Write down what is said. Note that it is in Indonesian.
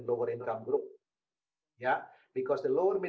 dari grup orang